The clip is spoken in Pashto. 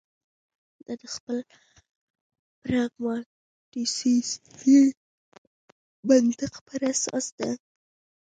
دا د خپل پراګماتیستي منطق پر اساس ده.